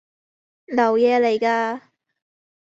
流嘢嚟嘅